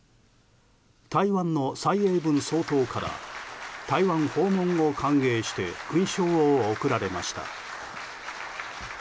台湾の蔡英文総統から台湾訪問を歓迎して勲章を贈られました。